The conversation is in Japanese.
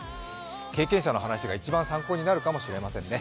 経験者の話が一番参考になるかもしれませんね。